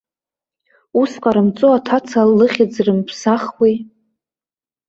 Ус ҟарымҵо, аҭаца лыхьӡ рымԥсахуеи?